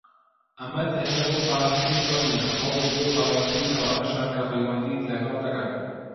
ئەمە تەنها بۆ پاراستنی تۆ نیە، بەڵکو بۆ پاراستنی ئەوانەشە کە پیوەندیت لەگەڵ دەکەن.